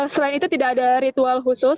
selain itu tidak ada ritual khusus